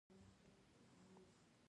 پښتون یو ایماندار قوم دی.